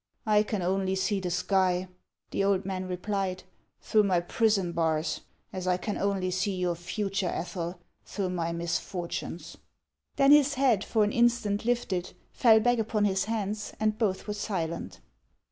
" I can only see the sky," the old man replied, " through my prison bars, ;is I can only see your future, Ethel, through my misfortunes." Then his head, for an instant lifted, fell back upon his hands, and both were silent.